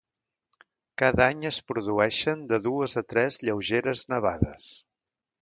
Cada any es produeixen de dues a tres lleugeres nevades.